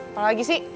apa lagi sih